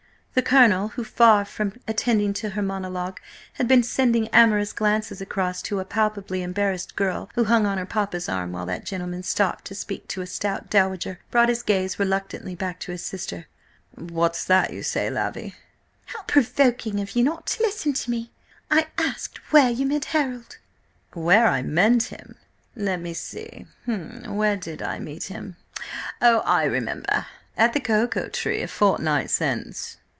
The Colonel, who, far from attending to her monologue, had been sending amorous glances across to a palpably embarrassed girl, who hung on her papa's arm while that gentleman stopped to speak to a stout dowager, brought his gaze reluctantly back to his sister. "What's that you say, Lavvy?" "How provoking of you not to listen to me! I asked where you met Harold." "Where I met him? Let me see–where did I meet him? Oh, I remember! At the Cocoa Tree, a fortnight since."